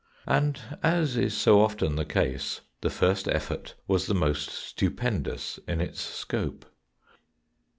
And, as is so often the case, the first effort was the most stupendous in its scope.